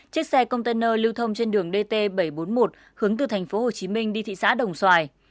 chiếc xe container lưu thông trên đường dt bảy trăm bốn mươi một hướng từ thành phố hồ chí minh đi thị xã đồng xoài